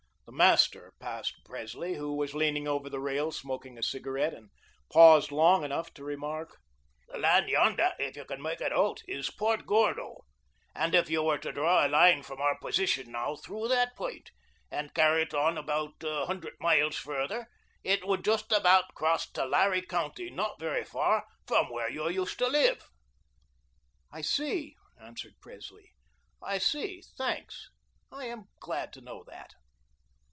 The master passed Presley, who was leaning over the rail smoking a cigarette, and paused long enough to remark: "The land yonder, if you can make it out, is Point Gordo, and if you were to draw a line from our position now through that point and carry it on about a hundred miles further, it would just about cross Tulare County not very far from where you used to live." "I see," answered Presley, "I see. Thanks. I am glad to know that."